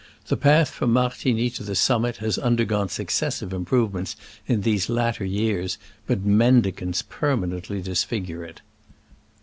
The path from Martigny to the summit has undergone successive improvements in these latter years, but mendicants permanently disfigure it.